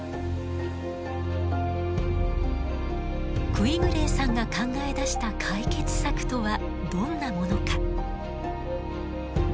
クィグレーさんが考え出した解決策とはどんなものか。